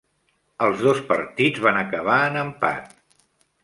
Els dos partits van acabar en empat.